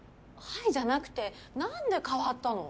はいじゃなくてなんで代わったの？